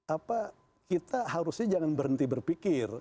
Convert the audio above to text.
apa kita harusnya jangan berhenti berpikir